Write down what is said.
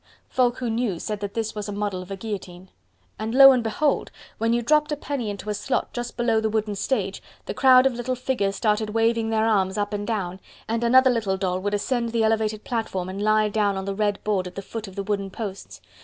Folk who knew said that this was a model of a guillotine. And lo and behold! when you dropped a penny into a slot just below the wooden stage, the crowd of little figures started waving their arms up and down, and another little doll would ascend the elevated platform and lie down on the red board at the foot of the wooden posts.